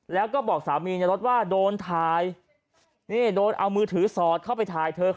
แล้วก็บอกสามีในรถว่าโดนถ่ายนี่โดนเอามือถือสอดเข้าไปถ่ายเธอ